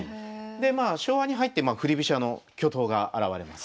でまあ昭和に入って振り飛車の巨頭が現れます。